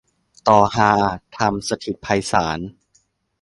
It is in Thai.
ตอฮา ธรรมสถิตไพศาล